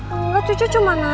engga cu cu cuma nanya